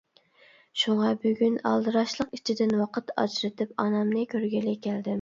شۇڭا بۈگۈن ئالدىراشلىق ئىچىدىن ۋاقىت ئاجرىتىپ، ئانامنى كۆرگىلى كەلدىم.